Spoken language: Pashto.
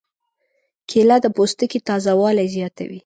کېله د پوستکي تازه والی زیاتوي.